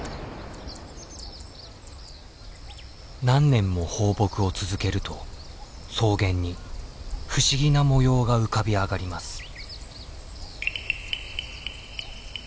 何年も放牧を続けると草原に不思議な模様が浮かび上がります。